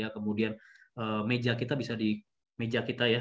kemudian meja kita bisa di meja kita ya